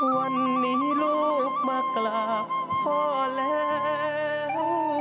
วันนี้ลูกมากราบพ่อแล้ว